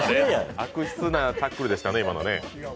悪質なタックルでしたね、今のね。